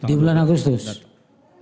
di bulan agustus